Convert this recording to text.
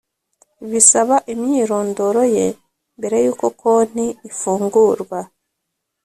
bisaba imyirondoro ye mbere yuko konti ifungurwa